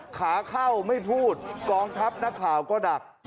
ขาเข้าไม่พูดกองทัพนักข่าวก็ดัก